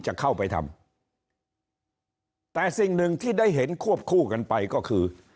จะเข้าไปทำแต่สิ่งหนึ่งที่ได้เห็นควบคู่กันไปก็คือ